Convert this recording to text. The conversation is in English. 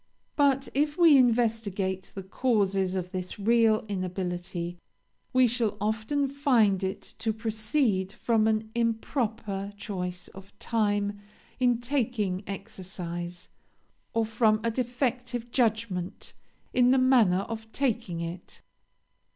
But if we investigate the causes of this real inability, we shall often find it to proceed from an improper choice of time in taking exercise, or from a defective judgment in the manner of taking it.